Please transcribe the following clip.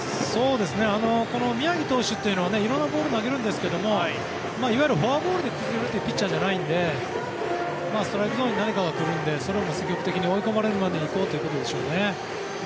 宮城投手はいろいろなボールを投げますがいわゆるフォアボールで崩れるピッチャーではないのでストライクゾーンに何かが来るのでそれを積極的に追い込まれるまでにいこうということでしょうね。